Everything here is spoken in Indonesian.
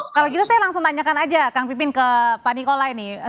kalau gitu saya langsung tanyakan aja kang pipin ke pak nikola ini